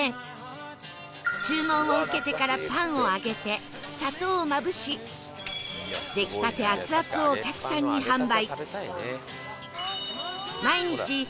注文を受けてからパンを揚げて砂糖をまぶし出来たてアツアツをお客さんに販売